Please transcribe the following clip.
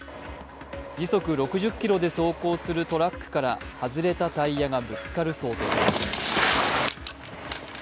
時速６０キロで走行するトラックから外れたタイヤがぶつかる想定です。